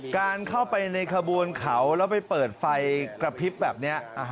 การเข้าไปในขบวนเขาแล้วไปเปิดไฟกระพริบแบบนี้